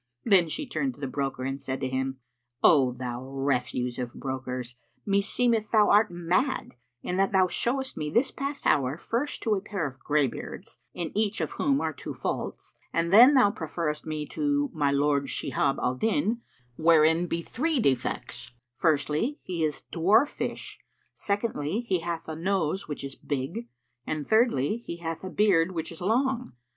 Then she turned to the broker and said to him, "O thou refuse of brokers, meseemeth thou art mad, in that thou showest me this hour past, first to a pair of greybeards, in each of whom are two faults, and then thou proferrest me to my lord Shihab al Din wherein be three defects; firstly, he is dwarfish, secondly, he hath a nose which is big, and thirdly, he hath a beard which is long.